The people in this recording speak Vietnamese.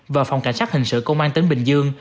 và phòng cảnh sát hình sự công an tp hcm